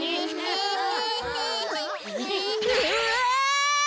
うわ！